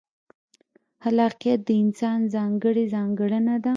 خلاقیت د انسان ځانګړې ځانګړنه ده.